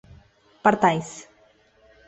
partáis